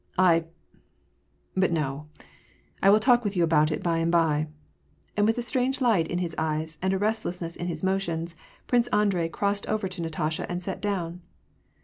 — "I — but no — I will talk with you about it by and by." And with a strange light in his eyes, and a restlessness in his motions. Prince Andrei crossed over to Natasha and sat down.